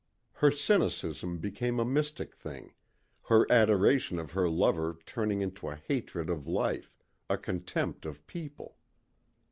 Her cynicism became a mystic thing her adoration of her lover turning into a hatred of life, a contempt of people.